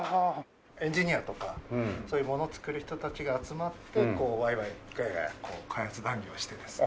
エンジニアとかそういう物を作る人たちが集まってワイワイガヤガヤ開発談議をしてですね。